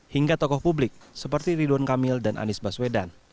hingga tokoh publik seperti ridwan kamil dan anies baswedan